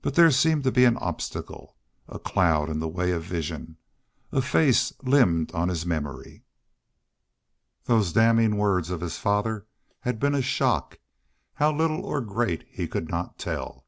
But there seemed to be an obstacle. A cloud in the way of vision. A face limned on his memory. Those damning words of his father's had been a shock how little or great he could not tell.